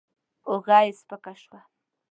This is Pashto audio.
اوږه يې سپکه شوه.